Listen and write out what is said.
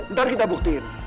ntar kita buktiin